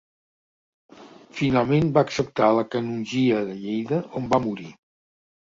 Finalment va acceptar la canongia de Lleida on va morir.